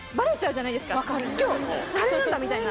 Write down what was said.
今日カレーなんだみたいな。